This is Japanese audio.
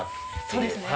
そうですね。